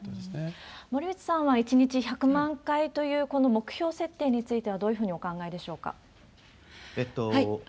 森内さんは１日１００万回というこの目標設定については、どういうふうにお考えでしょうか？